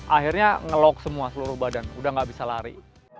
akhirnya ngelok semua seluruh badan udah gak bisa lari